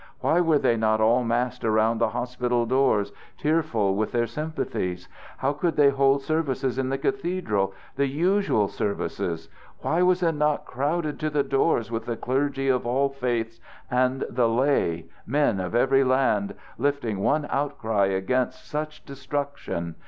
Why were they not all massed around the hospital doors, tearful with their sympathies? How could they hold services in the cathedral the usual services? Why was it not crowded to the doors with the clergy of all faiths and the laymen of every land, lifting one outcry against such destruction?